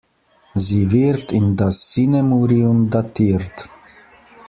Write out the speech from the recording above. Sie wird in das Sinemurium datiert.